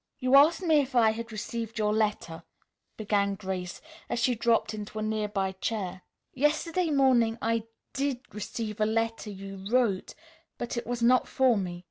"You asked me if I had received your letter," began Grace as she dropped into a nearby chair. "Yesterday morning I did receive a letter you wrote, but it was not for me.